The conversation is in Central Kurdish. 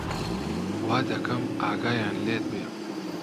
وا دەکەم ئاگایان لێت بێ